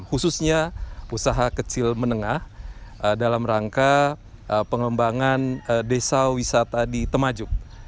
khususnya usaha kecil menengah dalam rangka pengembangan desa wisata di temajuk